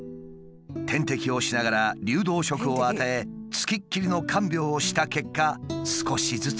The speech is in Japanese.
点滴をしながら流動食を与え付きっきりの看病をした結果少しずつ回復してきたという。